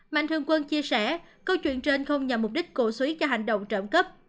mạnh thường quân chia sẻ câu chuyện trên không nhằm mục đích cổ suý cho hành động trộm cấp